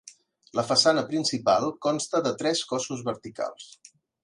La façana principal consta de tres cossos verticals.